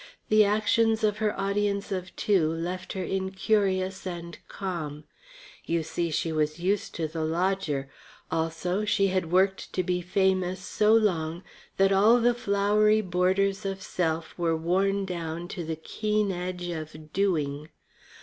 The actions of her audience of two left her in curious and calm. You see, she was used to the lodger. Also she had worked to be famous so long that all the flowery borders of self were worn down to the keen edge of doing.